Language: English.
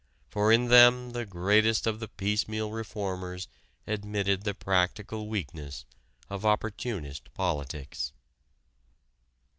For in them the greatest of the piecemeal reformers admitted the practical weakness of opportunist politics.